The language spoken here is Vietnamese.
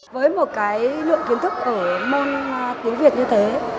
với một cái lượng kiến thức ở môn tiếng việt như thế